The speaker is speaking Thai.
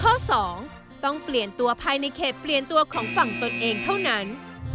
ข้อ๒ต้องเปลี่ยนตัวภายในเขตเปลี่ยนตัวของฝั่งตนเองเท่านั้น